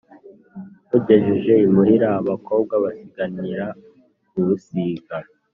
Nywugejeje imuhira abakobwa basiganira kuwusiga,